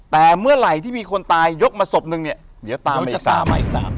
แต่เมื่อไหร่ที่มีคนตายยกมาศพหนึ่งเนี่ยเดี๋ยวตามอีกสาม